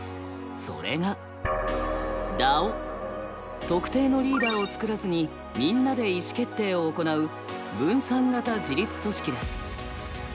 それが特定のリーダーを作らずにみんなで意思決定を行う「分散型自律組織」です。